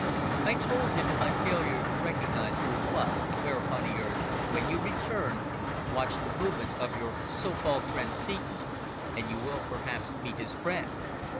I told him of my failure to recognise who it was, whereupon he urged "When you return, watch the movements of your so called friend Seton, and you will perhaps meet his friend.